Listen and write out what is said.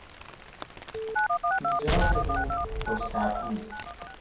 ایجاز روح خوشطبعی است.